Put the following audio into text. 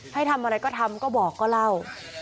ให้ทำอะไรก็ทำก็บอกก็เล่า